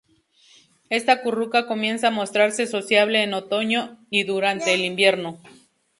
Esta curruca comienza a mostrarse sociable en otoño y durante el invierno.